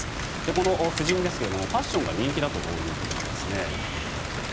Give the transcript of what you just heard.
この夫人ですがファッションが人気だということです。